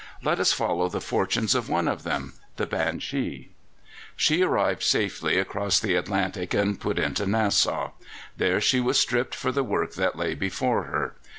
Let us follow the fortunes of one of them the Banshee. She arrived safely across the Atlantic and put into Nassau. There she was stripped for the work that lay before her.